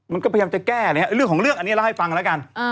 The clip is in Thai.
มันก็พยายามจะแก้อะไรอย่างนี้เรื่องของเรื่องอันนี้ล่ะให้ฟังแล้วกัน